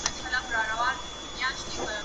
زه به انځورونه رسم کړي وي،